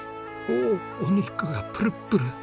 おおっお肉がプルップル！